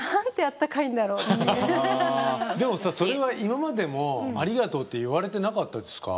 でもさそれは今までも「ありがとう」って言われてなかったですか？